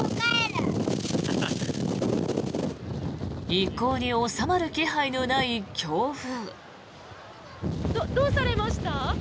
一向に収まる気配のない強風。